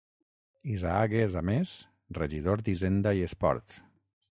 Isaac és, a més, regidor d'Hisenda i Esports.